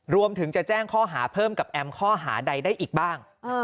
รวมถึงจะแจ้งข้อหาเพิ่มกับแอมข้อหาใดได้อีกบ้าง